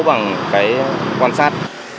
bằng cái quan sát